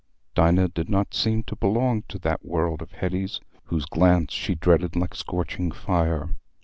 Dinah did not seem to belong to that world of Hetty's, whose glance she dreaded like scorching fire.